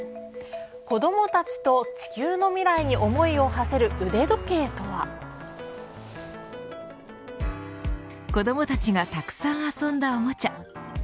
子どもたちと地球のミライに思いをはせる腕時計とは。子どもたちがたくさん遊んだおもちゃ。